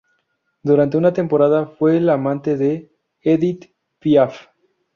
Durante una temporada fue el amante de Édith Piaf.